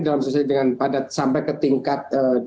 dalam sesuai dengan padat sampai ke tingkat